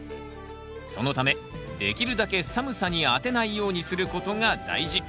そのためできるだけ寒さにあてないようにすることが大事。